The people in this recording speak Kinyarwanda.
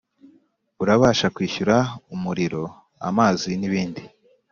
Urabasha kwishyura umuriro amazi n’ibindi